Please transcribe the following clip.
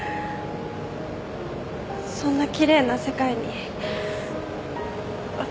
そんな奇麗な世界に私。